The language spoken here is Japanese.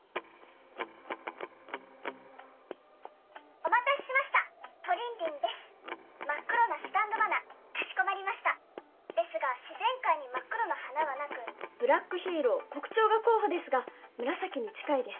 お待たせしましたトリンリンです真っ黒なスタンド花かしこまりましたですが自然界に真っ黒な花はなくブラックヒーロー黒蝶が候補ですが紫に近いです